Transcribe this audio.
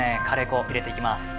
カレー粉入れていきます。